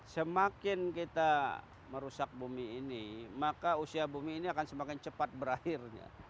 semakin kita merusak bumi ini maka usia bumi ini akan semakin cepat berakhirnya